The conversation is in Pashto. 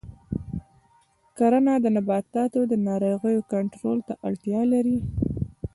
کرنه د نباتاتو د ناروغیو کنټرول ته اړتیا لري.